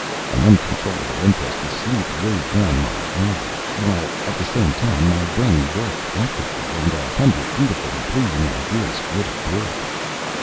An uncontrollable impulse to sleep weighed down my eyelids, while, at the same time, my brain worked actively, and a hundred beautiful and pleasing ideas flitted through it.